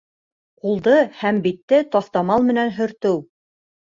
Ҡулды һәм битте таҫтамал менән һөртөү